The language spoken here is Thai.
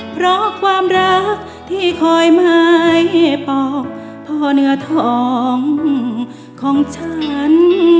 เพราะความรักที่คอยไม่ปอกพ่อเนื้อทองของฉัน